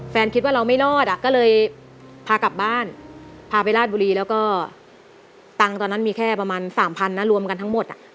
คิดว่าเราไม่รอดอ่ะก็เลยพากลับบ้านพาไปราชบุรีแล้วก็ตังค์ตอนนั้นมีแค่ประมาณสามพันนะรวมกันทั้งหมดอ่ะ